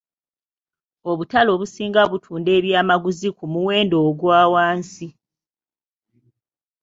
Obutale obusinga butunda ebyamaguzi ku muwendo ogwa wansi.